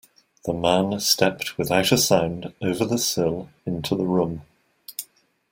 The man stepped without a sound over the sill into the room.